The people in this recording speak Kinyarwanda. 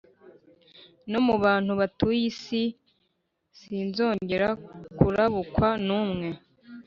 no mu bantu batuye iyi si sinzongera kurabukwa n’umwe.